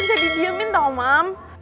ini gak bisa di jiemin tau mam